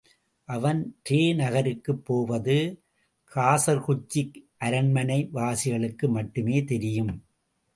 அவன் ரே நகருக்குப் போவது, காசர்குச்சிக் அரண்மனை வாசிகளுக்கு மட்டுமே தெரியும்.